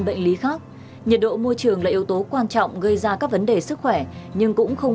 bệnh lý khác nhiệt độ môi trường là yếu tố quan trọng gây ra các vấn đề sức khỏe nhưng cũng không